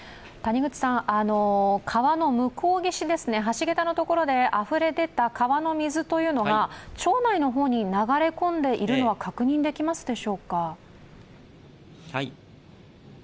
川の向こう岸、橋桁のところであふれ出た川の水というのが町内の方に流れ込んでいるのは確認できますでしょうか？